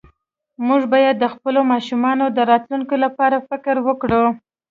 مونږ باید د خپلو ماشومانو د راتلونکي لپاره فکر وکړو